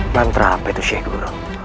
mantra apa itu sheikh guru